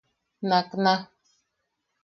Nakna.